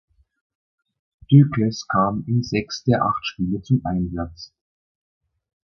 Dykes kam in sechs der acht Spiele zum Einsatz.